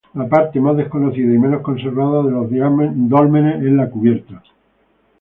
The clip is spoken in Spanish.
La parte más desconocida y menos conservada de los dólmenes es la cubierta.